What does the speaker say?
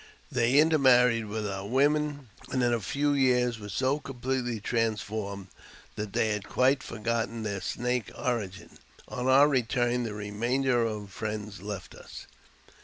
They intermarried with our women, and in a few years were so completely transformed that they had quite for gotten their Snake origin. On our return, the remainder of our friends left us.